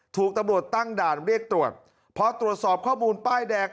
ถูกตำรวจตั้งด่านเรียกตรวจพอตรวจสอบข้อมูลป้ายแดง